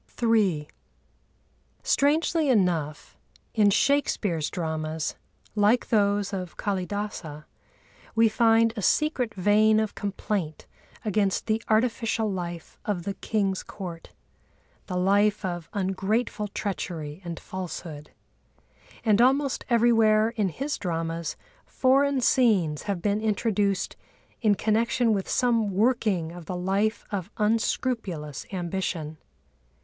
III Strangely enough, in Shakespeare's dramas, like those of Kâlidâsa, we find a secret vein of complaint against the artificial life of the king's court—the life of ungrateful treachery and falsehood. And almost everywhere, in his dramas, foreign scenes have been introduced in connection with some working of the life of unscrupulous ambition.